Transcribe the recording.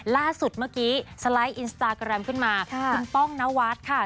ล่าสุดเมื่อกี้สไลด์อินสตาแกรมขึ้นมาคุณป้องนวัดค่ะ